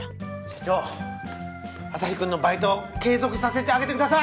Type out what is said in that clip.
社長アサヒくんのバイト継続させてあげてください！